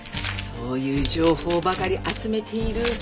そういう情報ばかり集めているうちに。